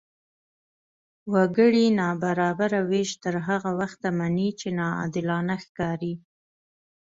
وګړي نابرابره وېش تر هغه وخته مني، چې عادلانه ښکاري.